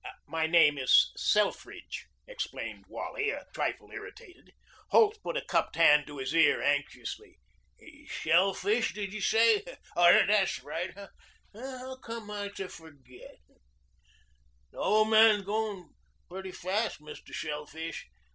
"My name is Selfridge," explained Wally, a trifle irritated. Holt put a cupped hand to his ear anxiously. "Shellfish, did you say? Tha' 's right. Howcome I to forget? The old man's going pretty fast, Mr. Shellfish.